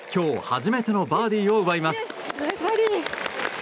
初めてのバーディーを奪います。